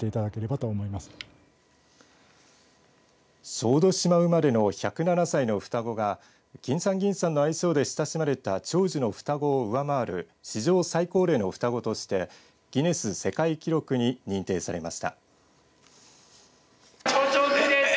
小豆島生まれの１０７歳の双子がきんさんぎんさんの愛称で親しまれた長寿の双子を上回る史上最高齢の双子としてギネス世界記録に認定されました。